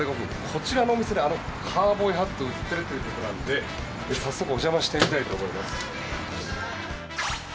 こちらのお店であのカウボーイハットが売っているということなので早速、お邪魔してみたいと思います。